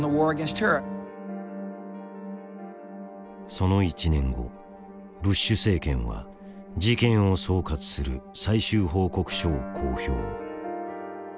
その１年後ブッシュ政権は事件を総括する最終報告書を公表。